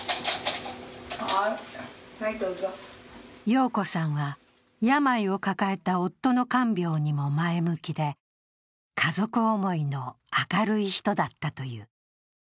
陽子さんは、病を抱えた夫の看病にも前向きで家族思いの明るい人だったという。